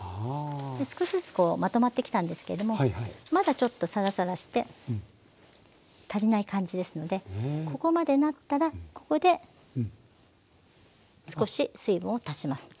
少しずつまとまってきたんですけどもまだちょっとサラサラして足りない感じですのでここまでなったらここで少し水分を足します。